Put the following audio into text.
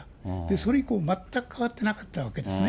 それ以降全く変わってなかったわけですね。